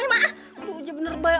ini benar baik